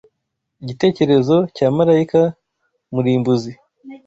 igitekerezo cya marayika murimbuzi,